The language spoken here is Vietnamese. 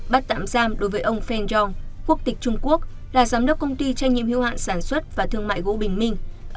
bắt tạm giam đối với ông feng yong quốc tịch trung quốc là giám đốc công ty trách nhiệm hữu hạn sản xuất và thương mại gỗ bình minh